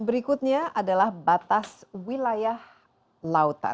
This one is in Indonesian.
berikutnya adalah batas wilayah lautan